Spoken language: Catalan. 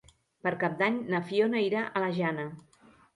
Per Cap d'Any na Fiona irà a la Jana.